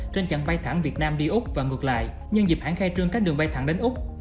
trên chặng bay thẳng việt nam đi úc và ngược lại nhân dịp hãng khai trương các đường bay thẳng đến úc